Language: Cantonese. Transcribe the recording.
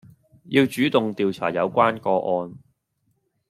要主動調查有關個案